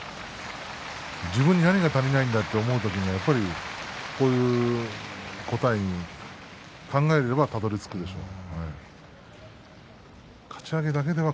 自分に何が足りないんだと思う時に、こういう答えに考えればたどりつくでしょう。